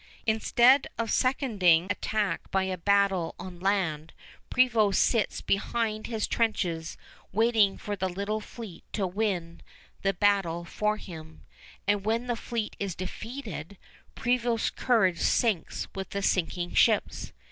Instead of seconding attack by a battle on land, Prevost sits behind his trenches waiting for the little fleet to win the battle for him; and when the fleet is defeated, Prevost's courage sinks with the sinking ships.